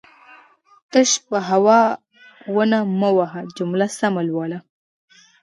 تش په هو او نه مه وهه جمله سمه لوله